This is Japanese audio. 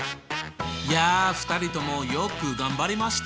いや２人ともよく頑張りました。